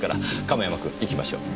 亀山君行きましょう。